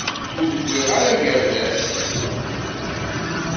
Ur d-wwiɣ ara agerdas.